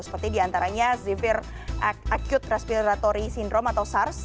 seperti di antaranya zivir acute respiratory syndrome atau sars